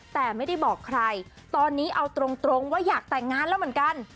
แต่ไม่ได้บอกใครตอนนี้เอาตรงว่าอยากแต่งงานแล้วเหมือนกัน